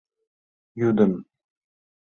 — Йӱдым.